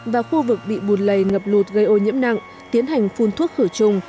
và khu vực bị bùn lầy ngập lụt gây ô nhiễm nặng tiến hành phun thuốc khử trùng